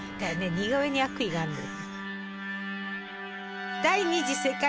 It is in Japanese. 似顔絵に悪意があんだよ。